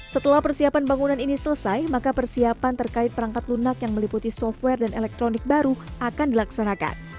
setelah persiapan bangunan ini selesai maka persiapan terkait perangkat lunak yang meliputi software dan elektronik baru akan dilaksanakan